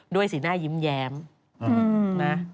ด้วยสีหน้ายิ้มแยมนะ